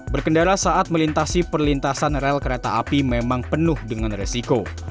berkendara saat melintasi perlintasan rel kereta api memang penuh dengan resiko